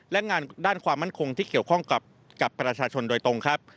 และงานด้านความมั่นคงที่เกี่ยวข้องกับประชาชนโดยตรงครับ